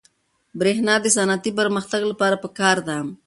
برېښنا د صنعتي پرمختګ لپاره پکار ده.